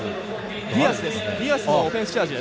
ディアスのオフェンスチャージ。